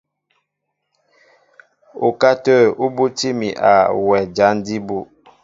Ukátə̂ ú bútí mi a wɛ jǎn jí bú.